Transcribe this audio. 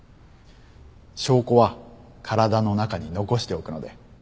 証拠は体の中に残しておくので。